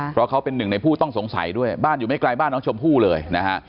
เพราะเขาเป็นหนึ่งในผู้ต้องสงสัยด้วยบ้านอยู่ไม่ไกลบ้านน้องชมพู่เลยนะฮะ